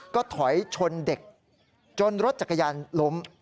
ก็ถอยชนเด็กจนรถจักรยานล้ม